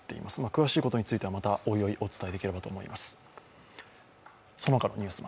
詳しいことについてはまたおいおいお伝えできればと思います。